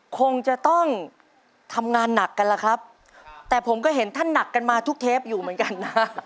คงจะต้องทำงานหนักกันล่ะครับแต่ผมก็เห็นท่านหนักกันมาทุกเทปอยู่เหมือนกันนะ